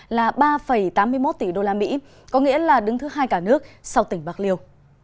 là ba tám mươi một tỷ usd có nghĩa là đứng thứ hai cả nước sau tỉnh bạc liêu